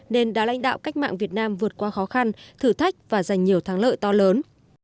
nên đã lãnh đạo cách mạng việt nam vượt qua khó khăn thử thách và giành nhiều thắng lợi to lớn